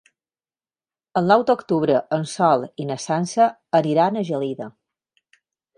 El nou d'octubre en Sol i na Sança aniran a Gelida.